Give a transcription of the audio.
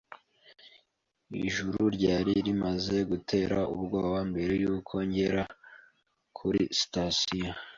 Ijuru ryari rimaze gutera ubwoba mbere yuko ngera kuri sitasiyo.